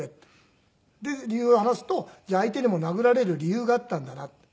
で理由を話すとじゃあ相手にも殴られる理由があったんだなって。